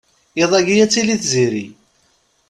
Iḍ-agi ad tili tziri.